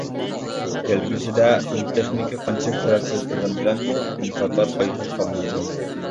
كەلگۈسىدە پەن-تېخنىكا قانچىلىك تەرەققىي قىلغىنى بىلەنمۇ، ئىنسانلار ئايغا چىقالمايدۇ.